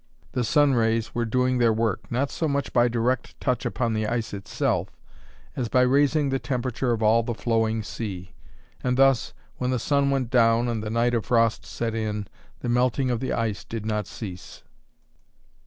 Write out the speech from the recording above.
The sun rays were doing their work, not so much by direct touch upon the ice itself as by raising the temperature of all the flowing sea, and thus, when the sun went down and the night of frost set in, the melting of the ice did not cease.